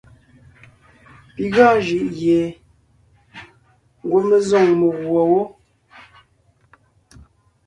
Pi gɔɔn jʉʼ gie ngwɔ́ mé zôŋ meguɔ wó.